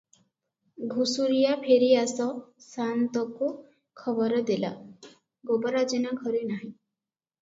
ଘୁଷୁରିଆ ଫେରିଆସି ସାଆନ୍ତକୁ ଖବର ଦେଲା, ଗୋବରା ଜେନା ଘରେ ନାହିଁ ।